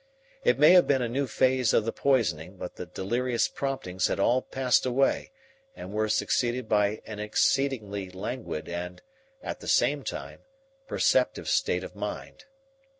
It may have been a new phase of the poisoning, but the delirious promptings had all passed away and were succeeded by an exceedingly languid and, at the same time, perceptive state of mind.